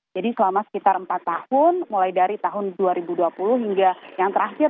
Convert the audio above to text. jadi selama sekitar empat tahun mulai dari tahun dua ribu dua puluh hingga yang terakhir